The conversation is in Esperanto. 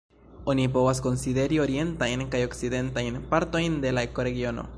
Oni povas konsideri orientajn kaj okcidentajn partojn de la ekoregiono.